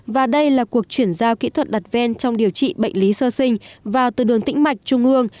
và đây là cuộc chuyển giao kỹ thuật đặt ven trong điều trị bệnh lý sơ sinh và từ đường tĩnh mạch trung ương